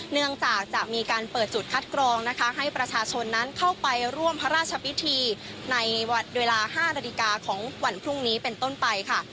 เนื่องจากจะมีการเปิดจุดคัดกรองนะคะให้ประชาชนนั้นเข้าไปร่วมพระราชพิธีในเวลา๕นาฬิกาของวันพรุ่งนี้เป็นต้นไปค่ะ